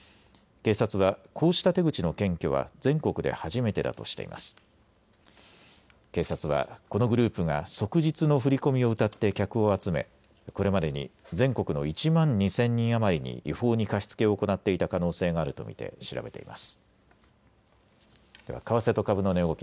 警察はこのグループが即日の振込をうたって客を集め、これまでに全国の１万２０００人余りに違法に貸し付けを行っていた可能性があると見て調べています。